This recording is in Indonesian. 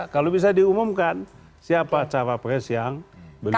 kalau bisa diumumkan siapa cawapres yang belum